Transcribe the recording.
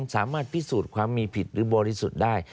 สามารถพิสูจน์ความมีผิดหรือบริสุทธิ์ได้